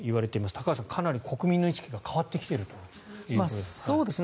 高橋さん、かなり国民の意識が変わってきているということですか。